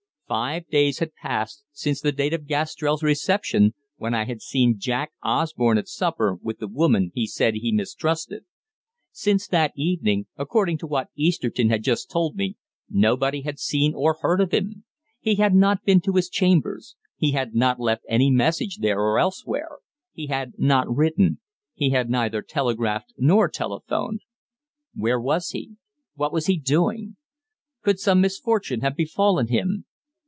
Five days had passed since the date of Gastrell's reception, when I had seen Jack Osborne at supper with the woman he had said he mistrusted. Since that evening, according to what Easterton had just told me, nobody had seen or heard of him. He had not been to his chambers; he had not left any message there or elsewhere; he had not written; he had neither telegraphed nor telephoned. Where was he? What was he doing? Could some misfortune have befallen him?